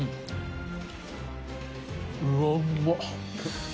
うわ、うまっ！